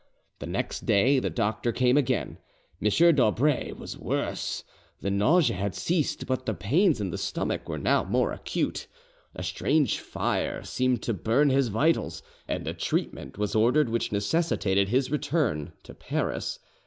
The next day the doctor came again: M. d'Aubray was worse; the nausea had ceased, but the pains in the stomach were now more acute; a strange fire seemed to burn his vitals; and a treatment was ordered which necessitated his return to Paris.